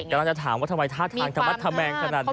กำลังจะถามว่าทำไมท่าทางทำลัดทำแมงขนาดนี้